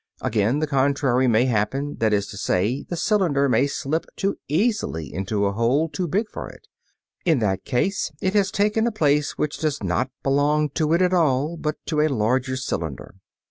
Again, the contrary may happen; that is to say, the cylinder may slip too easily into a hole too big for it. In that case it has taken a place which does not belong to it at all, but to a larger cylinder.